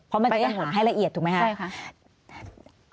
เพราะมันจะหาให้ละเอียดถูกไหมคะใช่ค่ะ